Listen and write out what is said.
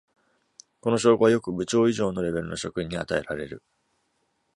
この称号はよく「部長」以上のレベルの職員に与えられる。